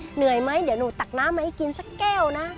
เหนื่อยไหมเดี๋ยวหนูตักน้ำมาให้กินสักแก้วนะ